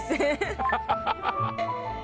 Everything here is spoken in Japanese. ハハハハハ！